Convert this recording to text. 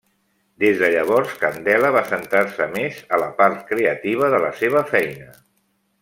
Des de llavors Candela va centrar-se més a la part creativa de la seva feina.